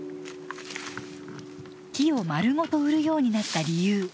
木をまるごと売るようになった理由